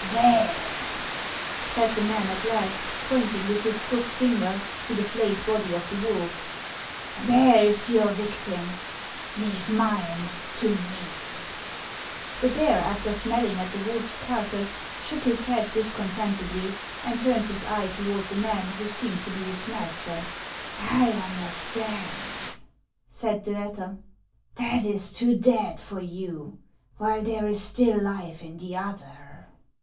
"There," said the man at last, pointing with his crooked finger to the flayed body of the wolf, " there is your vic tim ; leave mine to me." 280 HANS OF ICELAND. The bear, after smelling at the wolfs carcass, shook his head discontentedly, and turned his eye toward the man who seemed to be his master. " I understand," said the latter ;" that is too dead for you, while there is still life in the other.